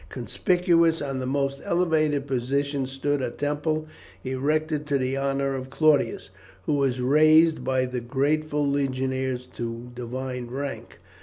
Conspicuous on the most elevated position stood a temple erected to the honour of Claudius, who was raised by the grateful legionaries to divine rank.